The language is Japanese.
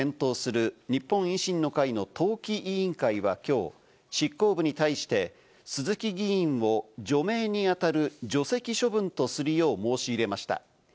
所属議員が党の規律を乱した際に処分を検討する日本維新の会の党紀委員会はきょう、執行部に対して鈴木議員を除名に当たる除籍処分とするよう申し入れました。